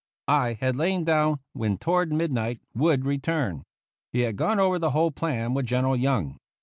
I had lain down when toward midnight Wood returned. He had gone over the whole plan with General Young.